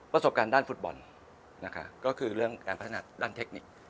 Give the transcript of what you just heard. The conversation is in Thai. ประสบการณ์ด้านฟุตบอลล์ก็คือเรื่องด้านเทคนิค